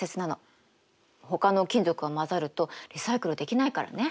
ほかの金属が混ざるとリサイクルできないからね。